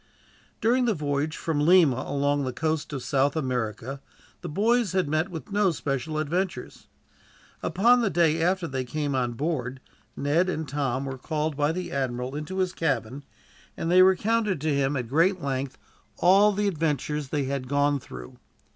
During the voyage from Lima along the coast of South America, the boys had met with no special adventures. Upon the day after they came on board ship, Ned and Tom were called by the admiral into his cabin, and there recounted to him, at great length, all the adventures that they had gone through.